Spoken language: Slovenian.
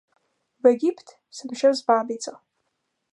V Egipt sem šel z babico.